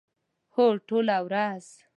هو، ټوله ورځ